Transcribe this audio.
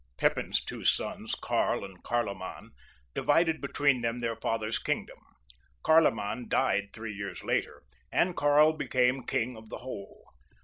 Pepin's two sons, Karl and Karloman, divided between them their father's kingdom. Karloman died three years later, and Karl became king of the whole.